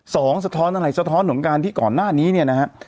สะท้อนอะไรสะท้อนของการที่ก่อนหน้านี้เนี่ยนะฮะ